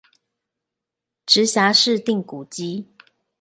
直轄市定古蹟